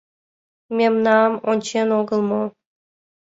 Мемнам ончен огыл мо